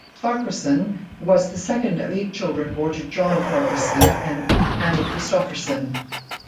Farquharson was the second of eight children born to John Farquharson and Anne Christopherson.